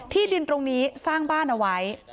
ดินตรงนี้สร้างบ้านเอาไว้